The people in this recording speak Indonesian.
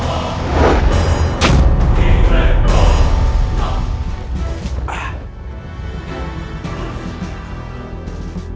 jauh lebih dan lebih